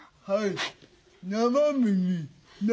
はい。